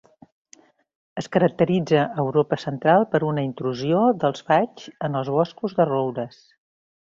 Es caracteritza a Europa central per una intrusió dels faigs en els boscos de roures.